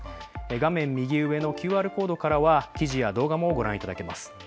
画面右上のＱＲコードからは記事や動画もご覧いただけます。